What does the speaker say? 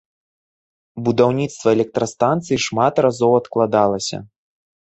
Будаўніцтва электрастанцыі шмат разоў адкладалася.